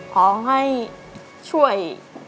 ขอให้ช่วย